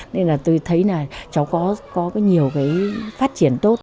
nên là tôi thấy là cháu có nhiều cái phát triển tốt